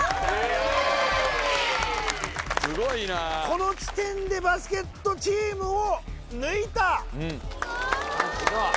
この時点でバスケットチームを抜いた！